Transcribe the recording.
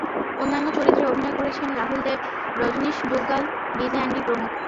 অন্যান্য চরিত্রে অভিনয় করেছেন রাহুল দেব, রজনীশ ডুগ্গাল, ভিজে অ্যান্ডি প্রমুখ।